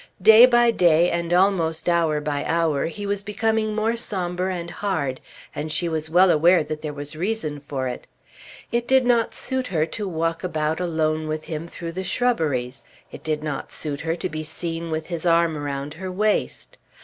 Day by day, and almost hour by hour, he was becoming more sombre and hard, and she was well aware that there was reason for it. It did not suit her to walk about alone with him through the shrubberies. It did not suit her to be seen with his arm round her waist.